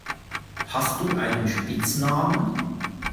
Hast du einen Spitznamen?